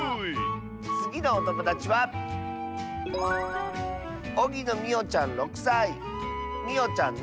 つぎのおともだちはみおちゃんの。